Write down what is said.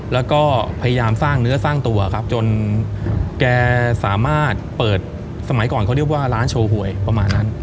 แล้วก็พยายามสร้างเนื้อสร้างตัวครับจนแกสามารถเปิดสมัยก่อนเขาเรียกว่าร้านโชว์หวยประมาณนั้น